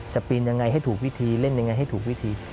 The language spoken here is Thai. ปีนยังไงให้ถูกวิธีเล่นยังไงให้ถูกวิธี